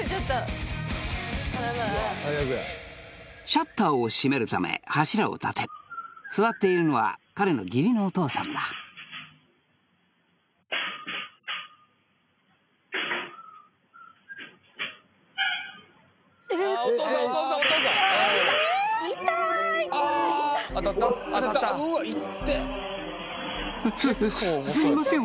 シャッターを閉めるため柱を立てる座っているのは彼の義理のお父さんだすみません